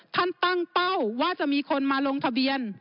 ตั้งเป้าว่าจะมีคนมาลงทะเบียน